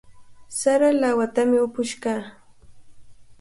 Sara lawatami upush kaa.